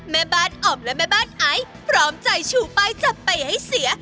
แม่บ้านอ๋อมและแม่บ้านไอซ์พร้อมใจชูป้ายจับไปให้เสีย